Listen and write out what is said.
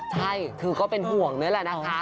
ใช่คือก็เป็นห่วงนี่แหละนะคะ